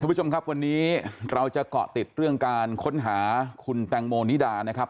ผู้ชมครับวันนี้เราจะเกาะติดเรื่องการค้นหาคุณแตงโมนิดานะครับ